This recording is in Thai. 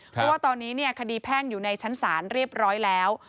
เพราะว่าตอนนี้คดีแพ่งอยู่ในชั้นศาลเรียบร้อยแล้ว